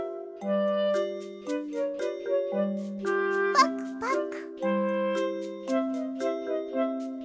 パクパク！